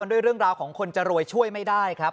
ด้วยเรื่องราวของคนจะรวยช่วยไม่ได้ครับ